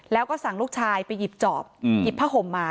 แล้วก็สั่งลูกชายไปหยิบจอบหยิบผ้าห่มมา